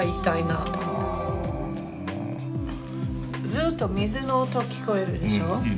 ずっと水の音聞こえるでしょ？